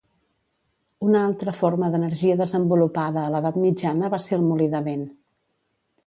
Una altra forma d'energia desenvolupada a l'Edat Mitjana va ser el molí de vent.